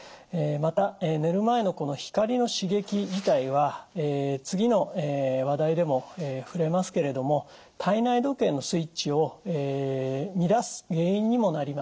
また寝る前のこの光の刺激自体は次の話題でも触れますけれども体内時計のスイッチを乱す原因にもなります。